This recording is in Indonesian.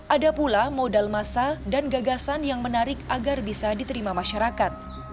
ada pula modal masa dan gagasan yang menarik agar bisa diterima masyarakat